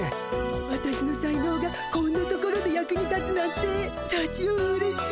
わたしの才能がこんなところで役に立つなんてさちようれしい。